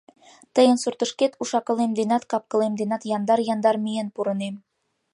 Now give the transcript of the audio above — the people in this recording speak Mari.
— Тыйын суртышкет уш-акылем денат, кап-кылем денат яндар-яндар миен пурынем.